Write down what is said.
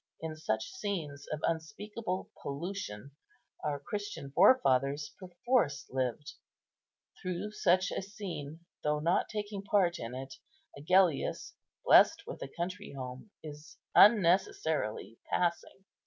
In such scenes of unspeakable pollution, our Christian forefathers perforce lived; through such a scene, though not taking part in it, Agellius, blessed with a country home, is unnecessarily passing.